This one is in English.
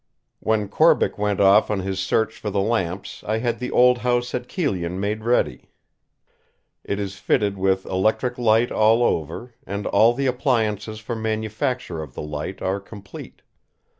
When Corbeck went off on his search for the lamps I had the old house at Kyllion made ready; it is fitted with electric light all over, and all the appliances for manufacture of the light are complete.